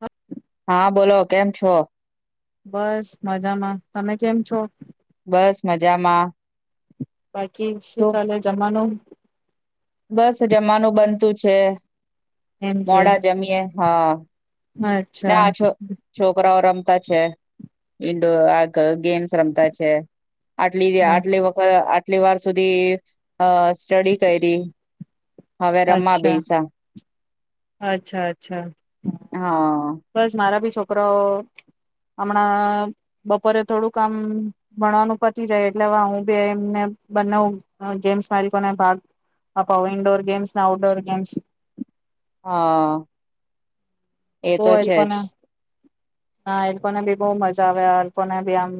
હા. હા બોલો કેમ છો? બસ મજામાં તમે કેમ છો? બસ મજામાં. બાકી શું ચાલે જવાનું? બસ જમવાનું બનતું છે. એમ કે મોડા જમીએ હા. અચ્છા ના, છ છોકરાઓ. રમતા છે, એ તો આ ગેમ્સ રમતા છે. આટલી એ હા, અટલે એ વખત. કેટલી વાર સુધી અ સ્ટડી કરીએ? હવે રમવા અચ્છા બેૈસા. અચ્છા, અચ્છા. હા બસ, મારા બી છોકરાઓ હમણાં બપોરે થોડું કામ-ભણવાનું પતી જાય એટલે હ હું બી એમને બંને ગેમ્સ માલિકોને ભાગ અપાવ, ઈન્ડોર ગેમ્સને આઉટડોર ગેમ્સ. હા. એ તો છે જ. હા, એ પણ બી બહુ મજા આવે, આ લોકો ને બી આમ.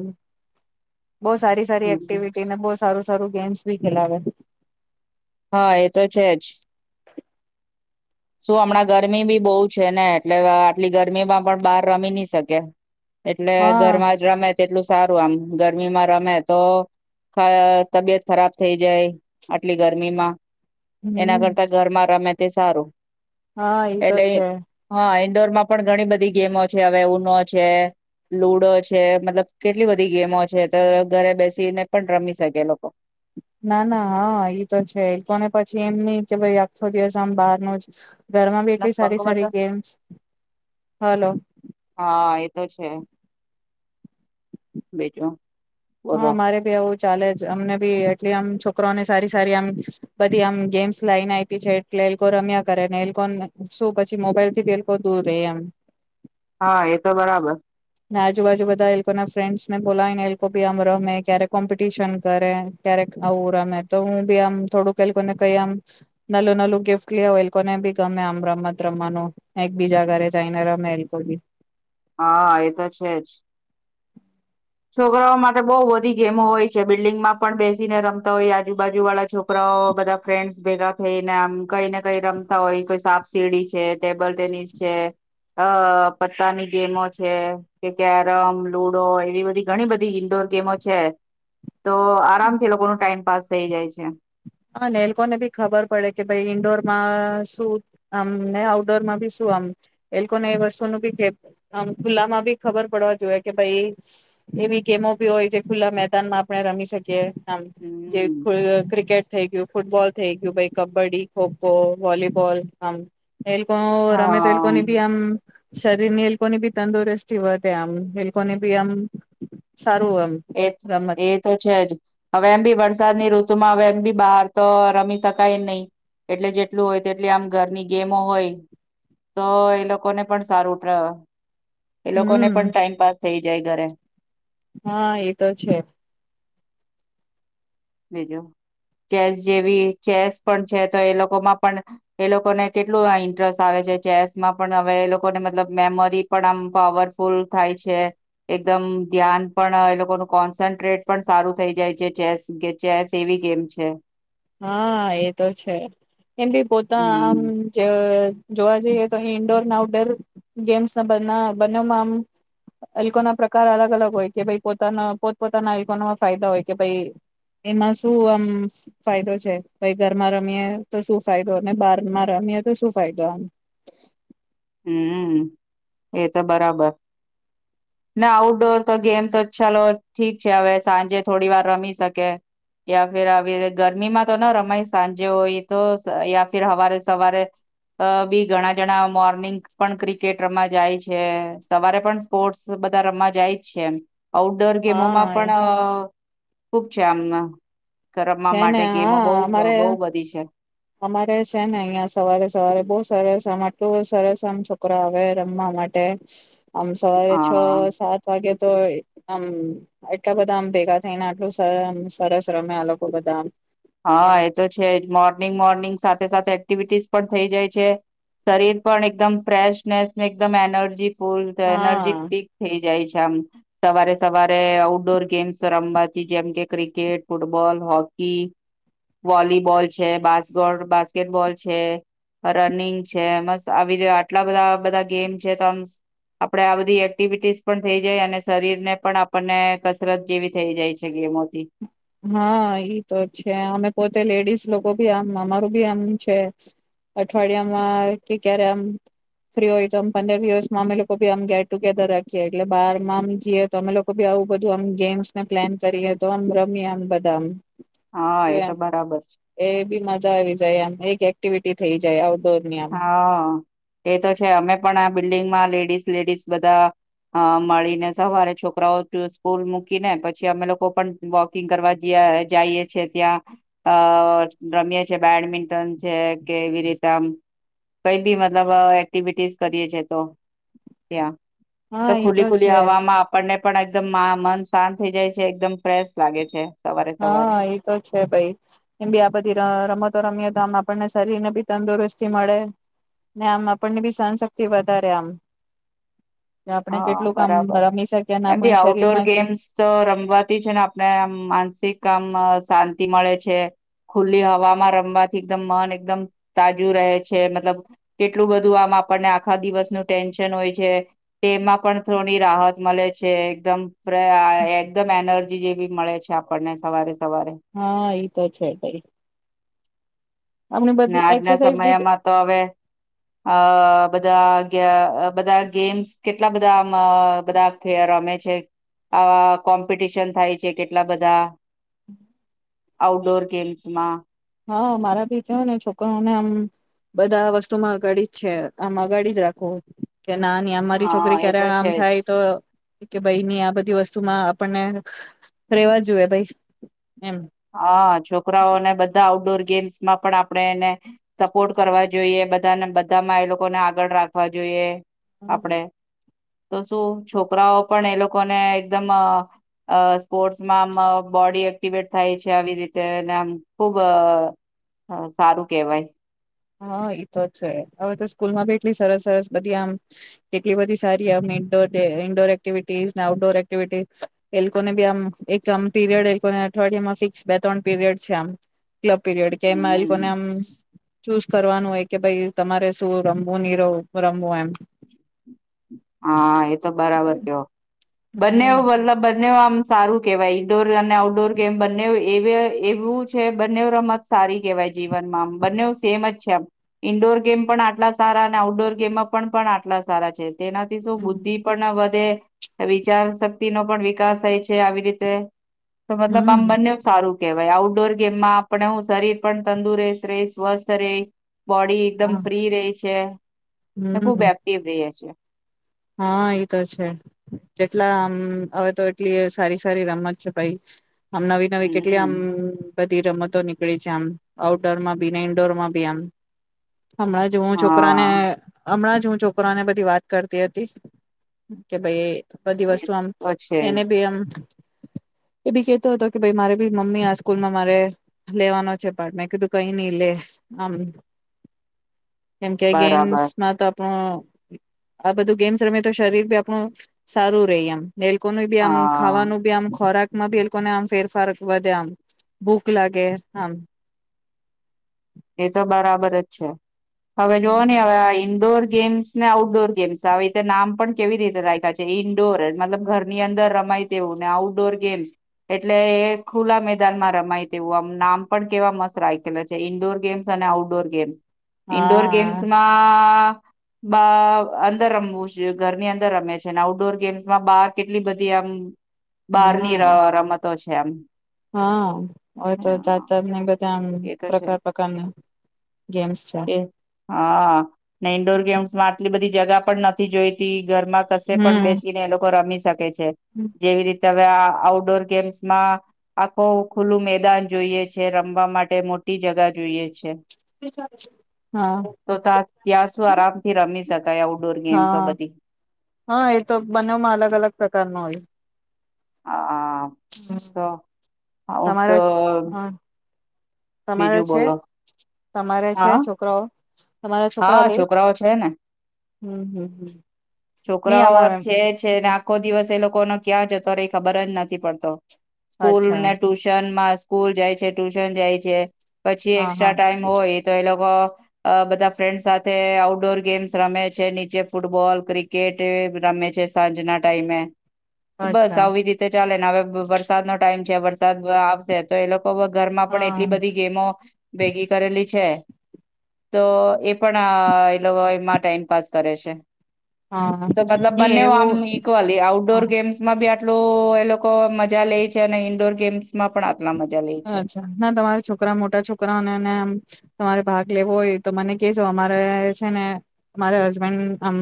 બહુ સારી સારી હમ. એક્ટિવિટી ને, બહુ સારું સારું. ગેમ્સ ભી ખેલાવે. હા, એ તો છે જ. શું, હમણાં ગરમી બી બહુ છે ને, એટલે આટલી ગરમીમાં પણ બહાર રમી નહી શકે. એટલે, હા ઘરમાં જ રમે, તેટલું સારું આમ. ગરમીમાં રમે, તો તબિયત ખરાબ થઈ જાય, આટલી ગરમીમાં. એના હમ કરતા ઘરમાં રમે. તે સારું. હા એ તો એટલે, છે હા, એ. ઇન્ડોર માં પણ ઘણી બધી ગેમો છે, હવે ઉનો છે લુડો છે, મતલબ કેટલી બધી ગેમો છે, તો ઘરે બેસીને પણ રમી શકે લોકો. ના, ના, હા, ઈ તો છે, કોને? પછી એમ નહીં કે ભાઈ, આખો દિવસ આમ બહાર નો જ. ઘરમાં બી એટલી સારી સારી ગેમ્સ, હલો. હા એ તો છે, બીજું? હા, બોલો મારે ભી આવું ચાલે જ, અમને બી એટલી આમ છો. છોકરાને સારી સારી આમ બધી આમ ગેમ્સ લાઈન આપી છે, એટલે એ લોકો રમ્યા કરેને, એ શું, પછી મોબાઈલ થી બી એ લોકો દૂર રહે એમ. હા, એ તો બરાબર. ને આજુબાજુ બધા એ લોકો ના ફ્રેન્ડસ ને બોલાય ને, એ લોકો ભી આમ રમે, ક્યારેક કોમ્પિટિશન કરે, ક્યારેક આવું રમે, તો હું બી આમ થોડુંક એ લોકોને કઈ આમ નાલું નાલું ગિફ્ટ લઈ આવું, એ લોકોને બી ગમે આમ રમત રમવાનું, એક બીજા ઘરે જઈને રમે એ લોકો. હા, એ તો છે જ. છોકરાઓ માટે બહુ બધી ગેમો હોય છે, બિલ્ડિંગમાં પણ બેસીને રમતા હોય, આજુબાજુ વાળા છોકરા. પરા બધા ફ્રેન્ડસ બેગા થઈને આમ કઈ ને કઈ રમતા હોય કોઈ સાપ સીડી છે ટેબલ ટેનિસ છે અ પત્તાની ગેમો છે કે કેરમ લુડો એવી બધી ઘણી બધી ઈન્ડોર ગેમો છે તો આરામથી લોકો ન ટાઈમ પાસ થઇ જાય છે હા ને એ લોકોને બી ખબર પડે કે ભાઈ ઈન્ડોરમાં શું આમ ને આઉટડોરમાં ભી શું આમ એ લોકોને એ વસ્તુ ન ભી આમ ખુલ્લામાં બી ખબર પડવા જોઈએ કે ભાઈ એવી ગેમો ભી હોય જે ખુલ્લા મેદાનમાં આપણે રમી શકીએ જે હમ ક્રિકેટ થઇ ગયું ફૂટબોલ થઇ ગયુંાઈ કબ્ડી ખોખો વોલીબોલ આમ એલકો રમે તો એલકો હા ની બી આમ શરીર ની એલકોની બી તંદુરસ્તી વધ આમ એની બી આમ સારું આમ એ રમત એ તો છે જ હવે એમ ભી વરસાદની ઋતુ માં વમ બી બહાર તો રમી શકાય જ નહીિ એટલે જેટલું હોય તેટલી આમ ઘરની ગેમો હોય તો એ લોકોને પણ સારું એ લોકો ને હમ પણ ટાઈમ પાસ થઈ જ જય ઘરે હા એતો છે બીજું ચેસ જેવી ચેસ પણ છે તો એ લોકોમાં પણ એ લોકોને કેટલું ઇન્ટરેસ્ટ આવે છે ચેસમાં પણ હવે એ લોકોને મતલબ મેમરી પણ આમ પાવરફુલ થાય છે એકદમ ધ્યાન પણ એ લોકોનું કોન્સન્ટ્રેટ પણ સારું થઈ જાય છે ચેસ ચેસ એવી ગેમ છે હા એ તો છે એમ બી પોતા આમ હમ જે જોવા જઈએ તો ઈન્ડોર અને આઉટડોર ગેમ્સ ના બ બનોમાં આમ અલ્કોના પ્રકાર અલગ અલગ હોય કે ભ પોતાના પોતપોતાના અલ્કોમાં ફાયદા હોય કે ભાઈ એમાં શું આમ ફાયદો છે ભાઈ ઘરમાં રમીએ તો શું ફાયદો અને બહારમાં રમીએ તો શું ફાયદો આમ હમ એ તો બરાબર ના આઉટડોર તો ગેમ તો ચાલો ઠીક છે હવે સાંજે થોડી વાર રમી શકે યા ફિર આવી ગરમીમાં તો ના રમાય સાંજે હોય તો યા ફિર સવારે સવારે બી ઘણા જણા મો મોર્નિંગ પણ ક્રિકેટ રમમા જાય છે સવારે પણ સ્પોર્ટ્સ બધા રમવા જાય જ છે એ આઉટડોર ગેમોમાં પણ હા ખૂબ જામમાં કરવા છે ને માટે ગેમો બહુ હા અમારે બહુ બધી છે અમારે છે ને અહિયાં સવારે સવારે બહુ સરસ આમ આટલું સરસ આમ છોકરો આવે રમવા માટે આમ સવારે છ હા સાત વાગ્યા તો આમ એટલા બધા આમ ભેગા થઈને આટલું સરસ રમે આ લોકો બધા આમ હા એમ એ તો છે મોર્નિંગ મોર્નિ સાથે સાથે એક્ટિવિટીઝ પણ થઈ જાય છે શરીર પણ એકદમ ફ્રેશનેસ ને એકદમ એનર્જી ફૂલ એનર્જી હા ટીક થઈ જાય છે મ સવારે સવારે આઉટડોર ગેમ્સ રમવાથી જેમ કે ક્રિકેટ ફૂટબોલ હોકી વોલીબોલ છે બા બાસ્કેટબોલ છે રનિંગ છે મસ્ આવી રીતે આટલા બધા બધા ગેમ છે તોમ આપડે આ બધી એક્ટિવિટીસ પણ થઇ જાય અને શરીરને પણ આપણને કસરત જેવી થઈ જાય છે ગેમોથી હા ઈ તો છે અમે પોતે લેડીઝ લોકો ભી આમ અમારું બી આમ છે અઠવાડિયામાં કે ક્યારે આમ ફ્રી હોય તોમ પંદર દિવસમાં અમે લોકોી આમ ગેટ ટુગેધર રાખીએ એટલે બારમાંમ જઈએ તો અમે લોકોી આવું બધું ગેમ્સને પ્લાન કરીએ તો મ્યામ બદામ હા એ તો બરાબર એ બી મજા આવી જાય એમ એક એક્ટિવિટી થઈ જાય આઉટડોર ની આમ હા, એ તો છે, અમે પણ આ બિલ્ડિંગમાં લેડી લેડીસ લેડીસ બધા અ મળીને સવારે છોકરાઓ સ્કૂલ મૂકીને પછી, અમે લોકો પણ વોકિંગ કરવા જઈએ છીએ. ત્યાં અ રમીએ છે બેડમિન્ટન છે. કેવી રીતે આમ કઈ બી મતલબ એક્ટિવિટીસ કરીએ છે તો ત્યાં તો હા એ ખુલ્લી ખુલ્લી છે હવામાં આપણને પણ એકદમ મન શાંત થઇ જાય છે, એકદમ ફ્રેશ લાગે છે. સવારે સવારે હા એતો છે, ભાઈ. એમ બી આ બધી રમત. તો રમીએ તો આમ આપણને શરીર ને બી તંદુરસ્તી મળે ને, આમ આપણને બી સહનશક્તિ વધારે આમ. આપણે હા, કેટલુંક આમ બરાબર. રમી શકીએ અને એમ ભી આપણે આઉટડોર શરીરમાં ગેમ્સ તો રમવાતી છે ને આપણે આમ માન્સ તિક આમ શાંતિ મળે છે, ખુલ્લી હવામાં રમવાથી એકદમ મન એકદમ તાજુ રહે છે. મતલબ કેટલું બધું આમ આપણને આખા દિવસનું ટેન્શન હોય છે. તેમાં પણ થોડી રાહત મળે છે, એકદમ, એકદમ એનર્જી જેવી મળે છે આપણને સવારે સવારે હા, એ તો છે ભાઈ. આપણી ને બધી આજના એક્સરસાઇઝ બી સમયમાં તો હવે અ બધા ક્યાં અ બધા ગેમ્સ કેટલા બધા આમ અ બધા રમે છે, આવા કોમ્પિટિશન થાય છે, કેટલા બધા. આઉટડોર ગેમ્સમાં. હા, મારા ભી છે ને, છોકરાઓને આમ બધા વસ્તુમાં અગાડી જ છે. આમ અગાડી જ રાખો. કે નાની અમારી હા છોકરી એ ક્યારે તો આમ છે જ થાય તો કે, ભાઈ, ની આ બધી વસ્ત સ્તુમાં આપણને રેવા જોઈએ, ભાઈ. એમ હા, છોકરાઓને બધા આઉટડોર ગેમ્સ માં પણ આપણે એને સપોર્ટ કરવા જોઈએ, બધાને બધામાં એ લોકોને આગળ રાખવા જોઈએ. હમ્મ. આપડે તો શું છોકરાઓ પણ એ લોકોને એકદમ અ સ્પોર્ટ્સમાં બોડી એક્ટિવેટ થાય છે, આવી રીતે નામ ખુબ અ સારું કહેવાય. હા, એતો જ છે. હવે તો સ્કૂલમાં બી એટલી સરસ સરસ બધી આમ કેટલી બધી સારી આમ ઇન્ડોર ઈનડોર એક્ટિવિટીઝ ને આઉટડોર એક્ટિવિટી એ લોકોને બી આમ એક આમ પીરિયડ એ લોકો અઠવાડિયામાં ફિક્સ બે ત્રણ પીરિયડ છે, આમ ક્લબ પીરિયડ કે એમાં એ હમ લોકોને આમ ચૂઝ કરવાનું હોય કે, ભાઈ, તમારે શું રમવું નહી રમવું એમ. હા, એ તો બરાબર કવો. હમ બનેવ બલા બન્નેવ આમ સારું કેવાય, ઈન્ડોર અને આઉટડોર ગેમ બંને એ વ એવું છે, બંને રમત સારી કહેવાય. જીવન માં બંને સેમ જ. છેમ ઈન્ડોર ગેમ પણ આટલા સારા અને આઉટડોર ગેમ પણ આટલા સારા છે. તેનાથી શું બુદ્ધિ પણ વધે. વિચાર શક્તિ નો પણ વિકાસ થાય છે, આવી રીતે. તો મતલબ આમ હમ બંને સારું. કહેવાય, આઉટડોર ગેમમાં આપણે હું શરીર પણ તંદુરસ્ત રહે સ્વસ્થ રહે. બોડી એકદમ હા ફ્રી રહી છે ને, ખુબ હમ એક્ટિવ રહી છે. હા એઈ તો છે જેટલા આમ હવે તો એટલી સારી સારી રમત છે ભાઈ. આમ નવી નવી કેટલી આમ હમ બધી રમતો નીકળી છે આમ આઉટડોર માં બી ને ઈન્ડોર માં બી આમ. હમણાં જ હું છોકરા ને હા હમણાં જ હું છોકરા ને બધીત કરત તી હતી કે ભાઈ બધી એ વસ્તુ આમ તો છે જ એને બી આમ એ બી કેતો હતો કે ભ મારે ભી મમ્મી આ સ્કૂલમાં મારે લેવાનો છેપાર્ટમે કીધું કઈ નહી લે આમ કેમ કે બરાબર ગેમ્સમાં તો તોા આ બધું ગેમ્સ રમેી તો શરીર બી આપણું સારું રે એમ નેલકો ન બી આમ હા ખાવાનું બી આમ ખોરાક માં બ લોકોને આમ ફેરફાર વધે આમ ભૂખ લાગે આમ એ તો બરાબર જ છે હવે જોવો ને હવે આ ઇન્દોર ગેમ્સ ને આઉટડોર ગેમ્સ આવી રીતે નામ પણ કેવી રીતે રાખ્યા છે ઈન્ડોર મતલબ ઘરની અંદર રમાય તેવું ને આઉટડોર ગેમ્સ એટલે ખુલ્લા મેદાનમાં રમાય તેવું આમ નામ પણ કેવા મસ્ત રાખેલા છે ઈન્ડોર ગેમ્ અને આઉટડોર ગેમસ ઇન્ડોર ગેમ્સ હા માં બ અંદર રમવું છે ઘરની અંદર રમે છે ને આઉટડોર ગેમ્સમાં બાર કેટલી બધી આમ બારની હમ રમતો છે છેમ હા હોય તો જાત જાાત ને બધા આમ એ તો છે પ્રકાર પ્રકારની ગેમ્સ છે હા ઈન્ડોર ગેમ્સમાં આટલી બધી જ ગા પણ નથી જોઈતી ઘરમાં કશે પણ હમ બેસી ને એ લોકો રમી છે શકે જેવી રીતે હવે આ આઉટડોર ગેમ્સમાં આખું ખુલ્લું મેદાન જોઈએ છે રમવા માટે મોટી જગા જોઈએ છે હા તો તા ત્યાં શું આરામથી રમી શકાય આઉટડોર ગેમ્સો હા બધી હા એ તો બંનેમાં અલગ અલગ પ્રકાર ન હોય હ હા તો હ તો તમારા હ તમારે બીજું છે બોલો તમારે છે હા છોકરાઓ [inaudible] હા, લે છોકરાઓ છે ને, હમ હમ હમ નહી છોકરાઓ અમારે છે છે ને આખો દિવસ એ લોકો ન ક્યાં જતો રહેએ ખબર જ નથી પડતો. સ્કૂલ અચ્છા ને, ટ્યુશન માં સ્કૂલ જાય છે, ટ્યુશન જાય છે. પછી હા એક્સ્ટ્રા હા ટાઈમ હોય તો એ લોકો બધા ફ્રેન્ડ સાથે આઉટડોર ગેમ્સ રમે છે નીચે ફૂટબોલ ક્રિકેટ રમે છે સાંજના ટાઈમે. બસ અચ્છા આવી રીતે ચાલે ને હવે વરસાદ નો ટાઈમ ત્યાં વરસાદ આવશે, તો એ લોકો ઘરમાં પણ હા એટલી બધી ગેમો ભેગી કરેલી છે. તો એ પણ એ લોકો એમાં ટાઈમ પાાસ કરે છે. હા તો મતલબ નહી બંને આમ એવું ઈક્વલી આઉટડોર ગેમ્સ માં બ એટલું એ લોકો મજા લે છે અને ઈન્ડોર ગેમ્સ માં પણ આટલા મજા લે છે અચ્છા ના તમારા છોકરા મોટા છોકરા અને એનેમ તમારે ભાગ લેવો હોય, તો મને કેજો અમારે છે ને અમારે હસબન્ડમ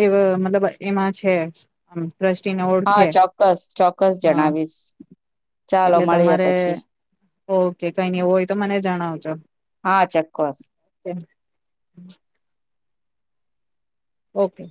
એ મતલબ એમાં છે. ટ્રસ્ટીને હા ઓળખે ચોક્કસ, ચોક્કસ હા જણાવીશ. ચાલો એટલે મળીએ તમારે પછી. ઓકે કઈ નઈ એવું હોય તો મને જણાવજો. હા ચોક્કસ ઓકે.